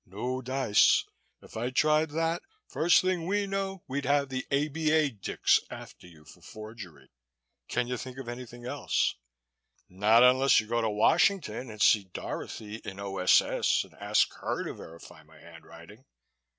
"No dice! If I tried that, first thing we know we'd have the A.B.A. dicks after you for forgery. Can you think of anything else?" "Not unless you go to Washington and see Dorothy in O.S.S. and ask her to verify my handwriting.